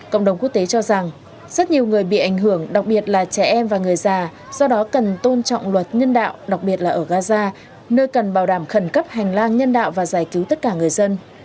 cộng đồng quốc tế cho rằng rất nhiều người bị ảnh hưởng đặc biệt là trẻ em và người già do đó cần tôn trọng luật nhân đạo đặc biệt là ở gaza nơi cần bảo đảm khẩn cấp hành lang nhân đạo và giải cứu tất cả người dân